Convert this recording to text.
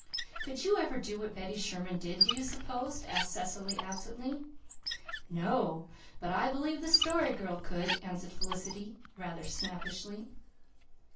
"Could you ever do what Betty Sherman did, do you suppose?" asked Cecily absently. "No; but I believe the Story Girl could," answered Felicity rather snappishly.